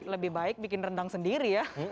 lebih baik bikin rendang sendiri ya